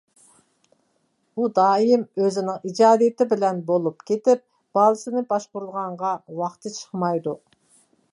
ئۇ دائىم ئۆزىنىڭ ئىجادىيىتى بىلەن بولۇپ كېتىپ بالىسىنى باشقۇرىدىغانغا ۋاقتى چىقمايدۇ.